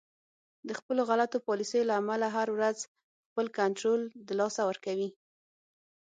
د خپلو غلطو پالیسیو له امله هر ورځ خپل کنترول د لاسه ورکوي